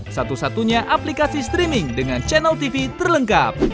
satu satunya aplikasi streaming dengan channel tv terlengkap